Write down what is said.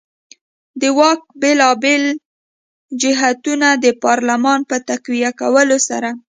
د واک بېلابېل جهتونه د پارلمان په تقویه کولو سره.